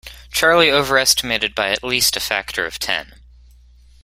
Charlie overestimated by at least a factor of ten.